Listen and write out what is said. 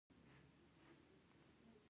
افغانستان کې چرګان د هنر په اثار کې منعکس کېږي.